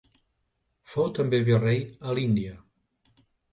Fou també virrei a l'Índia.